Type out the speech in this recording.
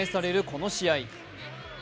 この試合。